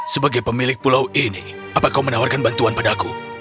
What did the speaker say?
sebagai pemilik pulau ini apa kau menawarkan bantuan padaku